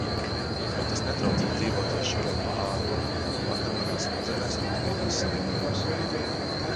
Bet tas netraucē dzīvoties šodien pa āru. Vakar manās smadzenēs notika īssavienojums.